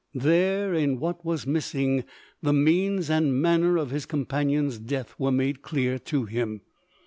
There, in what was missing, the means and manner of his companions' death were made clear to him.